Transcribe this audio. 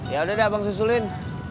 ya udah deh abang susulin